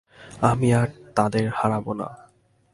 আমি আর তাদের হারাব না।